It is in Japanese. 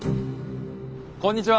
こんにちは。